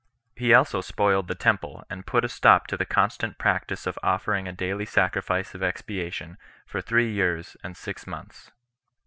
He also spoiled the temple, and put a stop to the constant practice of offering a daily sacrifice of expiation for three years and six months.